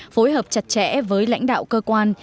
phối hợp chặt chẽ với lãnh đạo cơ quan